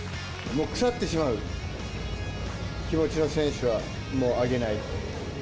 腐ってしまう気持ちの選手はもう上げない。